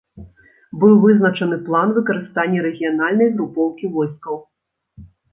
Быў вызначаны план выкарыстання рэгіянальнай групоўкі войскаў.